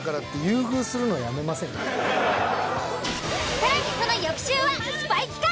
更にその翌週はスパイ企画。